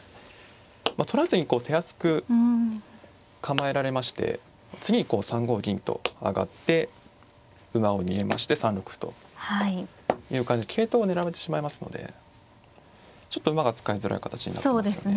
まあ取らずにこう手厚く構えられまして次にこう３五銀と上がって馬を逃げまして３六歩という感じで桂頭を狙われてしまいますのでちょっと馬が使いづらい形になってますよね。